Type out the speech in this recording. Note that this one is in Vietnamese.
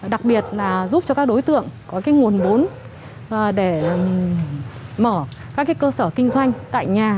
đặc biệt là giúp cho các đối tượng có nguồn vốn để mở các cơ sở kinh doanh tại nhà